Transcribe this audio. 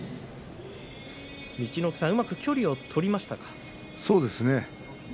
陸奥さん、うまく距離を取りましたかね。